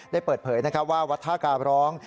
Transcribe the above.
ได้เปิดเผยว่าวัดท่ากาบร้อง